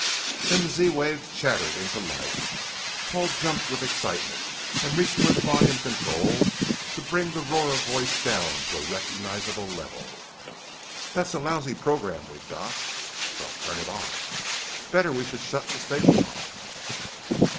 _" Then the Z wave chattered into life. Paul jumped with excitement and reached for the volume control to bring the roar of voice down to a recognizable level. "That's a lousy program we've got." "Well, turn it off." "Better we should shut the station off!"